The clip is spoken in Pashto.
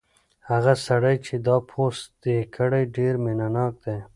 هغه سړی چې دا پوسټ یې کړی ډېر مینه ناک دی.